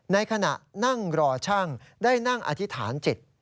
ในขณะนั่งรอช่างได้นั่งอธิษฐานจิต